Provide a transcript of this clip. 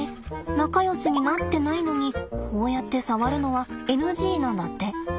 仲よしになってないのにこうやって触るのはＮＧなんだって。